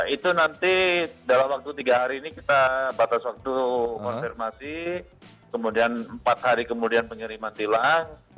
itu nanti dalam waktu tiga hari ini kita batas waktu konfirmasi kemudian empat hari kemudian pengiriman tilang